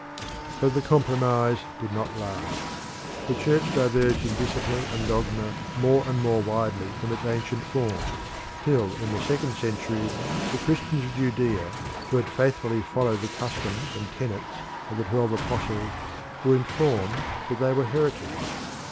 But the compromise did not last. The Church diverged in discipline and dogma more and more widely from its ancient form, till in the second century the Christians of Judea, who had faithfully followed the customs and tenets of the twelve apostles, were informed that they were heretics.